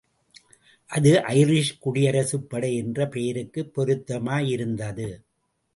அது ஐரீஷ் குடியரசுப் படை என்ற பெயருக்குப் பொருத்தமாயிருந்தது.